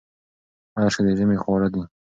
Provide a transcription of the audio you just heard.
اشک د ژمي خواړه دي.